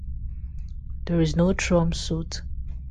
There is no trump suit.